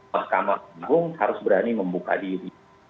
mahkamah agung harus berani membuka diri